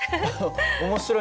面白いね。